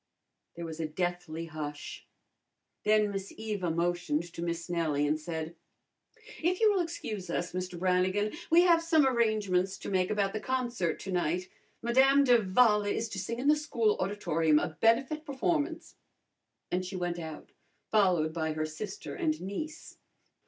There was a deathly hush. Then Miss Eva motioned to Miss Nellie and said, "If you will excuse us, Mr. Brannigan, we have some arrangements to make about the concert to night. Madame d'Avala is to sing in the school auditorium, a benefit performance," and she went out, followed by her sister and niece.